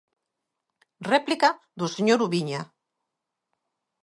Réplica do señor Ubiña.